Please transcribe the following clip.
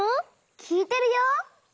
きいてるよ。